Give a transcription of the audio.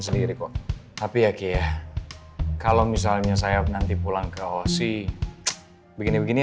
sendiri kok tapi ya ki ya kalau misalnya saya nanti pulang ke osi begini begini